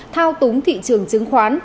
thao túng thị trường chứng khoán